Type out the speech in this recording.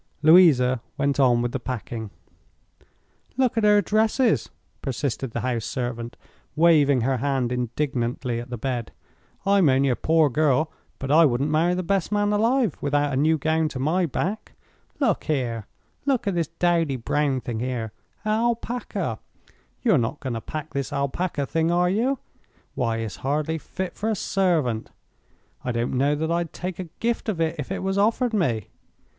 Louisa went on with the packing. "Look at her dresses!" persisted the house servant, waving her hand indignantly at the bed. "I'm only a poor girl, but I wouldn't marry the best man alive without a new gown to my back. Look here! look at this dowdy brown thing here. Alpaca! You're not going to pack this Alpaca thing, are you? Why, it's hardly fit for a servant! I don't know that I'd take a gift of it if it was offered me.